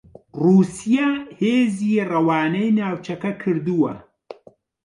رووسیا هێزی رەوانەی ناوچەکە کردووە